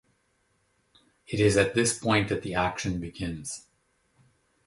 It is at this point that the action begins.